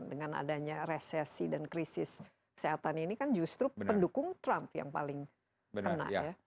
dengan adanya resesi dan krisis kesehatan ini kan justru pendukung trump yang paling kena ya